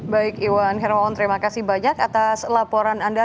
baik iwan hermawan terima kasih banyak atas laporan anda